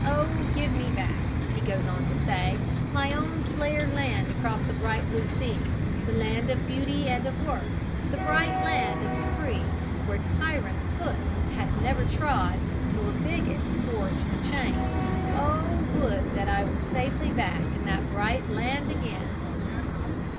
'Oh, give me back,' he goes on to say, 'my own fair land across the bright blue sea, the land of beauty and of worth, the bright land of the free, where tyrant foot hath never trod, nor bigot forged a chain. Oh, would that I were safely back in that bright land again!'"